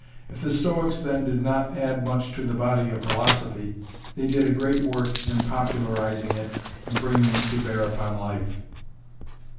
If the Stoics then did not add much to the body of Philosophy, they did a great work in popularising it and bringing it to bear upon life.